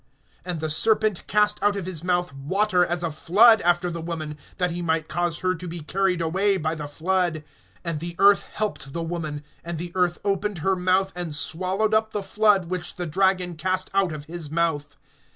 (15)And the serpent cast out of his mouth water as a flood after the woman, that he might cause her to be carried away by the flood. (16)And the earth helped the woman; and the earth opened her mouth, and swallowed up the flood which the dragon cast out of his mouth.